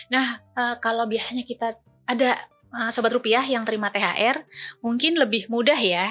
nah kalau biasanya kita ada sahabat rupiah yang terima thr mungkin lebih mudah ya